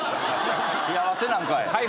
幸せなんかい！